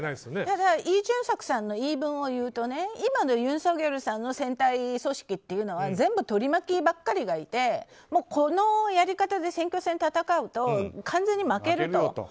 ただ、イ・ジュンソクさんの言い分を言うと今のユン・ソギョルさんの選対組織というのは全部とりまきばかりがいてこのやり方で選挙戦を戦うと完全に負けると。